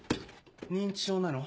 認知症なの？